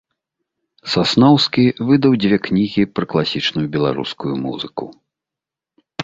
Сасноўскі выдаў дзве кнігі пра класічную беларускую музыку.